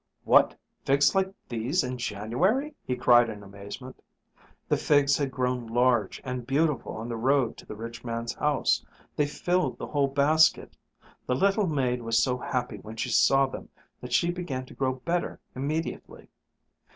"What, figs like these in January!" he cried in amazement. The figs had grown large and beautiful on the road to the rich man's house. They filled the whole basket. The little maid was so happy when she saw them that she began to grow better immediately.